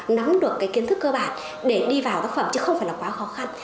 nắm được cái kiến thức cơ bản để đi vào tác phẩm chứ không phải là quá khó khăn